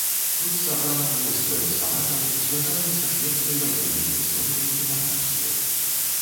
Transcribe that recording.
Тут сабрана мноства экспанатаў, звязаных са шведскай ваеннай гісторыяй і манархіяй.